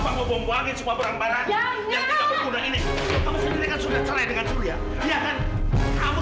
semua barang barang yang